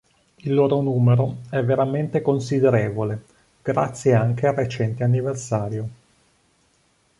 Il loro numero è veramente considerevole, grazie anche al recente anniversario.